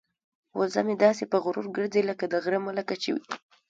وزه مې داسې په غرور ګرځي لکه د غره ملکه چې وي.